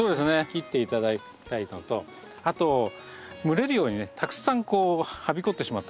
切っていただきたいのとあと群れるようにねたくさんはびこってしまった場合。